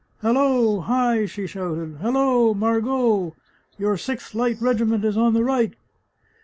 " Halloo ! Hi !" she shouted. " Halloo, Margot ! Your Sixth Light Regiment is on the right